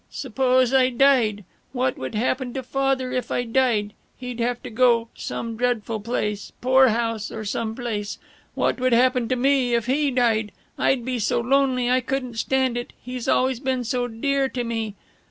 "Suppose I died. "What would happen to Father if I died? He'd have to go some dreadful place poor house or some place "What would happen to me if he died? I'd be so lonely I couldn't stand it. He's always been so dear to me.